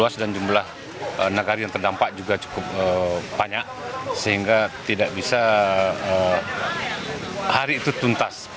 sehingga tidak bisa hari itu tuntas